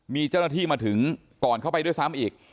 มีเจ้าหน้าที่มาถึงก่อนเข้าไปด้วยซ้ำอีก